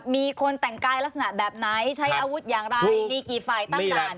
มีคนแต่งกายลักษณะแบบไหนใช้อาวุธอย่างไรมีกี่ฝ่ายตั้งด่าน